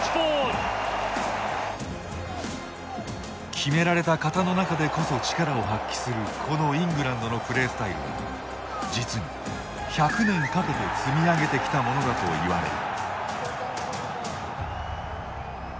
決められた型の中でこそ力を発揮するこのイングランドのプレースタイルは実に１００年かけて積み上げてきたものだと言われる。